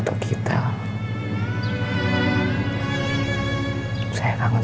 tapi kita sudah tangent